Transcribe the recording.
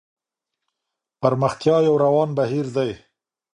پرمختيا يو روان بهير دی.